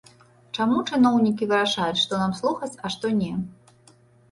Чаму чыноўнікі вырашаюць, што нам слухаць, а што не?